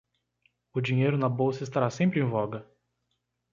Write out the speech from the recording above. O dinheiro na bolsa estará sempre em voga.